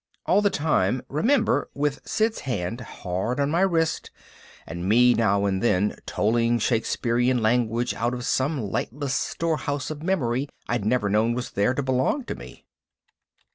All the time, remember, with Sid's hand hard on my wrist and me now and then tolling Shakespearan language out of some lightless storehouse of memory I'd never known was there to belong to me.